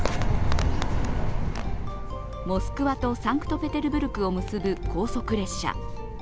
モスクワとサンクトペテルブルクを結ぶ高速列車。